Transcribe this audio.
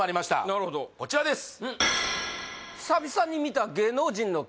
なるほどこちらです